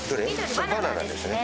バナナですね。